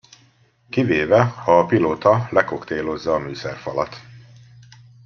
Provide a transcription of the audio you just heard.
Kivéve, ha a pilóta lekoktélozza a műszerfalat.